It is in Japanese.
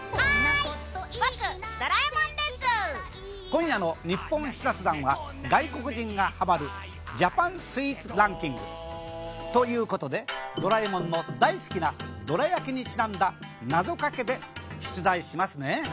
今夜の『ニッポン視察団』は外国人がハマるジャパンスイーツランキング。という事でドラえもんの大好きなどら焼きにちなんだ謎掛けで出題しますね。